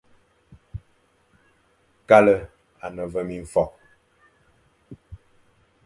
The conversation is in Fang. Kale à ne ve mimfokh,